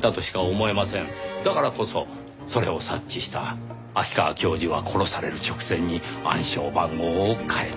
だからこそそれを察知した秋川教授は殺される直前に暗証番号を変えた。